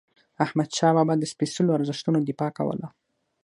احمدشاه بابا د سپيڅلو ارزښتونو دفاع کوله.